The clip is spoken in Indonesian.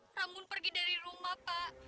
pramun pergi dari rumah pak